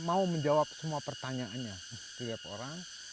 mau menjawab semua pertanyaannya setiap orang